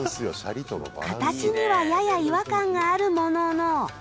形にはやや違和感があるものの。